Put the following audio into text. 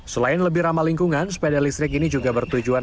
selain lebih ramah lingkungan sepeda listrik ini juga bertujuan